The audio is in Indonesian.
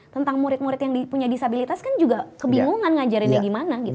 tentang murid murid yang punya disabilitas kan juga kebingungan ngajarinnya gimana gitu